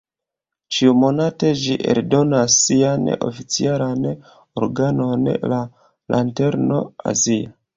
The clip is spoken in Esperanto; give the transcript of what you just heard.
Ĉiumonate ĝi eldonas sian oficialan organon "La Lanterno Azia".